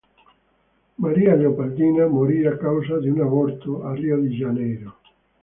Maria Leopoldina morì a causa di un aborto a Rio de Janeiro.